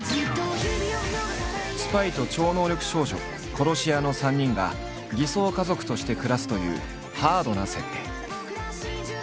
スパイと超能力少女殺し屋の３人が偽装家族として暮らすというハードな設定。